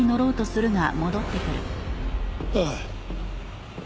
ああ。